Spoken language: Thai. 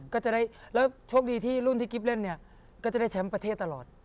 ก็จะได้แล้วโชคดีที่รุ่นที่กิ๊บเล่นเนี่ยก็จะได้แชมป์ประเทศตลอด